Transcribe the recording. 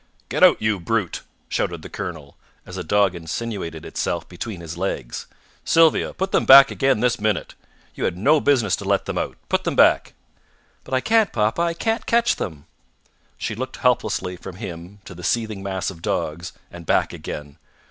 "Get out, you brute!" shouted the colonel, as a dog insinuated itself between his legs. "Sylvia, put them back again this minute! You had no business to let them out. Put them back!" "But I can't, papa. I can't catch them." She looked helplessly from him to the seething mass of dogs, and back again.